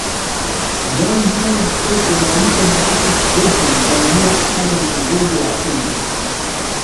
John Hanning Speke na Richard Francis Burton waliamua kufanya uchunguzi wa kina